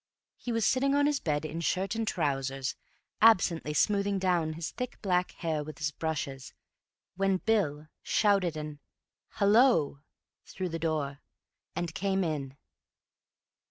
He was sitting on his bed, in shirt and trousers, absently smoothing down his thick black hair with his brushes, when Bill shouted an "Hallo!" through the door, and came in.